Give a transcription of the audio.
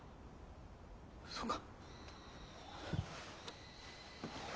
そうか。